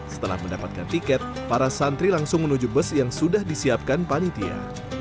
setelah mendapatkan tiket para santri langsung menuju bus yang sudah disiapkan panitia